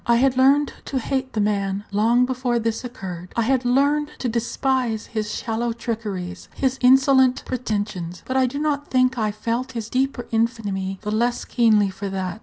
I had learned to hate the man long before this occurred; I had learned to despise his shallow trickeries, his insolent pretensions; but I do not think I felt his deeper infamy the less keenly for that.